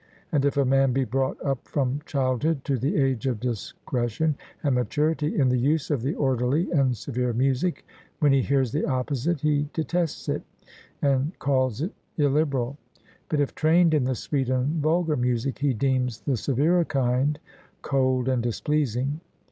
And if a man be brought up from childhood to the age of discretion and maturity in the use of the orderly and severe music, when he hears the opposite he detests it, and calls it illiberal; but if trained in the sweet and vulgar music, he deems the severer kind cold and displeasing.